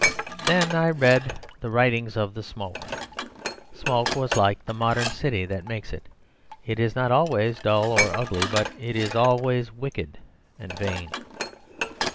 "Then I read the writing of the smoke. Smoke was like the modern city that makes it; it is not always dull or ugly, but it is always wicked and vain.